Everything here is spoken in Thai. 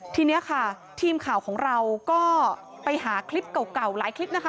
ทีนี้ค่ะทีมข่าวของเราก็ไปหาคลิปเก่าหลายคลิปนะคะ